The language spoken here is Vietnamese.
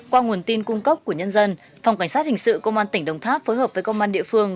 qua nguồn tin cung cấp của nhân dân phòng cảnh sát hình sự công an tỉnh đồng tháp phối hợp với công an địa phương